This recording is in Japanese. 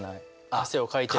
汗をかいてる。